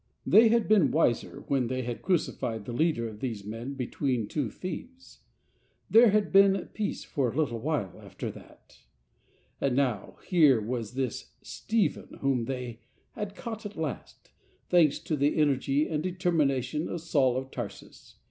They had been wiser when they had cruci fied the Leader of these men between two thieves. There had been peace for a little while after that. 8 8 LIFE OF ST. PAUL And now here was this Stephen whom they had canght at last, thanks to the energy and determination of Saul of Tarsus.